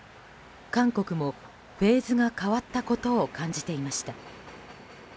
韓国もフェーズが変わったことを感じていました。